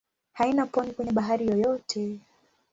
Haina pwani kwenye bahari yoyote.